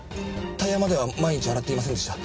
タイヤまでは毎日洗っていませんでした。